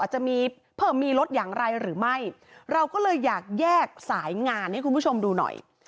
จะมีเพิ่มมีลดอย่างไรหรือไม่เราก็เลยอยากแยกสายงานให้คุณผู้ชมดูหน่อย